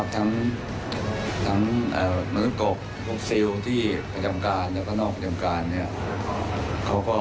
ทั้งมนุษย์กรกทนน้ำประจำกาลและพวกเสี่ยงพลีกรด้วย